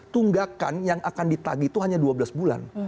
tunggakan yang akan ditagi itu hanya dua belas bulan